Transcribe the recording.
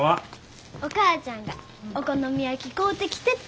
お母ちゃんがお好み焼き買うてきてって。